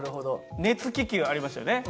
熱気球ありましたよね。